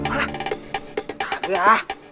ah si kaget ah